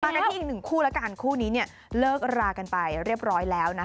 กันที่อีกหนึ่งคู่แล้วกันคู่นี้เนี่ยเลิกรากันไปเรียบร้อยแล้วนะคะ